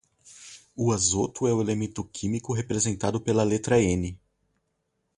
O azoto é o elemento químico representado pela letra N.